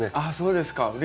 あそうですか。